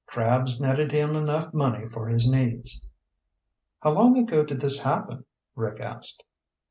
Crabs netted him enough money for his needs." "How long ago did this happen?" Rick asked.